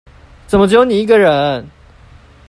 怎麼只有你一個人